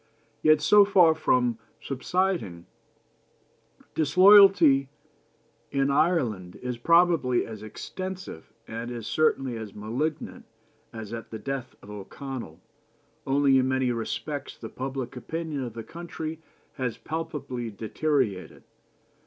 Yet, so far from subsiding, disloyalty in Ireland is probably as extensive, and is certainly as malignant, as at the death of O'Connell, only in many respects the public opinion of the country has palpably deteriorated.